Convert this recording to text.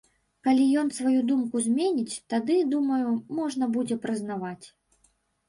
Калі ён сваю думку зменіць, тады, думаю, можна будзе прызнаваць.